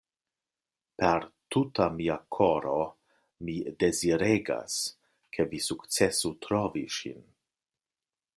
Per tuta mia koro mi deziregas, ke vi sukcesu trovi ŝin.